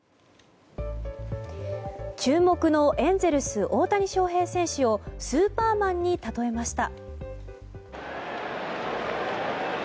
注目のエンゼルス、大谷翔平選手をスーパーマンに例えました。